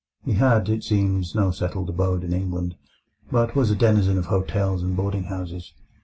He had, it seems, no settled abode in England, but was a denizen of hotels and boarding houses.